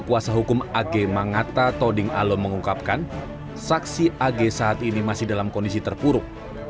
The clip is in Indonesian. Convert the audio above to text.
kuasa hukum ag mangata toding alom mengungkapkan saksi ag saat ini masih dalam kondisi terpuruk